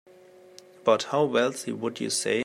About how wealthy would you say?